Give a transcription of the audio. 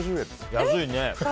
安いね。